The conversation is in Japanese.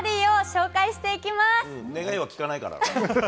願いは聞かないから。